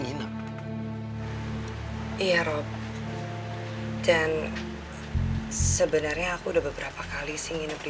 hai kamu nginep iya rob hai dan sebenarnya aku udah beberapa kali sih nginep di